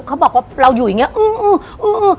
เขาบอกว่าเราอยู่อย่างเงี้ยอื้ออื้ออื้ออื้อ